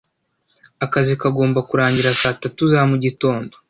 Akazi kagomba kurangira saa tatu za mugitondo.